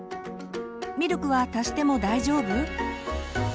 「ミルクは足しても大丈夫？」。